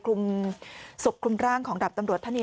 คลุมศพคลุมร่างของดาบตำรวจท่านนี้